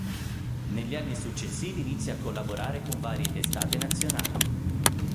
Negli anni successivi inizia a collaborare con varie testate nazionali.